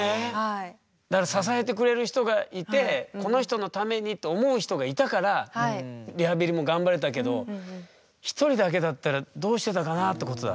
だから支えてくれる人がいてこの人のためにと思う人がいたからリハビリも頑張れたけど１人だけだったらどうしてたかなってことだ。